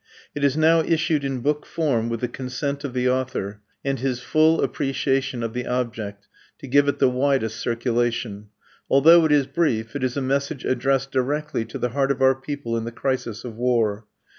It is now issued in book form with the consent of the author, and his full appreciation of the object, to give it the widest circulation. Although it is brief, it is a message addressed directly to the heart of our people in the crisis of war.